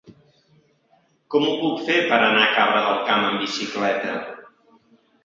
Com ho puc fer per anar a Cabra del Camp amb bicicleta?